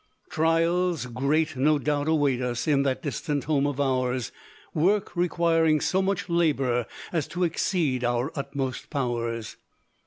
"Trials great no doubt await us In that distant home of ours; Work requiring so much labor, As to exceed our utmost powers.